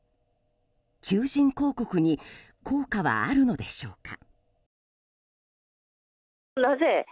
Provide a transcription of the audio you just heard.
求人広告に効果はあるのでしょうか。